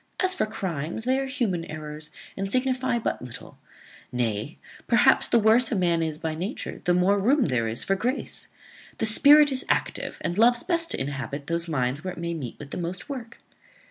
As for crimes, they are human errors, and signify but little; nay, perhaps the worse a man is by nature, the more room there is for grace. The spirit is active, and loves best to inhabit those minds where it may meet with the most work.